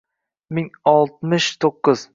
Ming oltmish to’qqiz